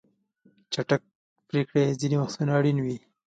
چټک پریکړې ځینې وختونه اړینې وي.